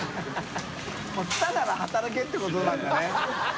もう来たなら働けってことなんだね。